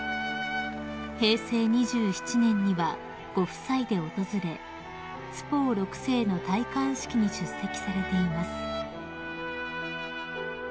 ［平成２７年にはご夫妻で訪れトゥポウ６世の戴冠式に出席されています］